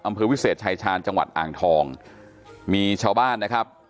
อำเภอวิเศษชายชาญจังหวัดอ่างทองมีชาวบ้านนะครับ